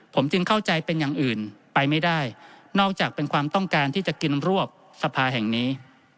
ผมจึงเข้าใจเป็นอย่างอื่นไปไม่ได้นอกจากเป็นความต้องการที่จะกินรวบสภาแห่งนี้